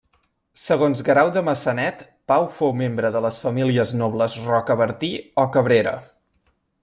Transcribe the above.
Segons Guerau de Maçanet, Pau fou membre de les famílies nobles Rocabertí o Cabrera.